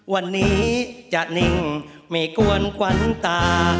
วันนี้จะนิ่งไม่กวนขวัญตา